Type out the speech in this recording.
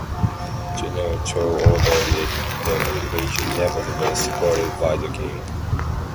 General Choe ordered the invasion nevertheless, supported by the King.